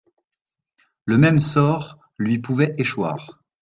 Le même sort lui pouvait échoir.